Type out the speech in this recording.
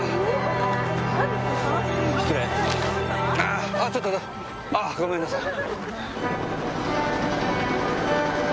あーっあちょっとあごめんなさい。